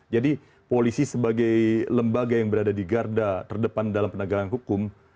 polisi sebagai lembaga yang berada di garda terdepan dalam penegakan hukum